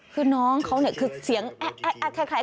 คือน้องเขาเห็นเสียงแอด